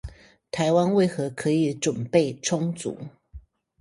台灣為何可以準備充足